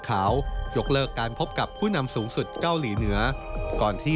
การพบกับผู้นำสูงสุดเกาหลีเหนือก่อนที่